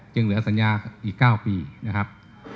เหลือสัญญาอีก๙ปีนะครับ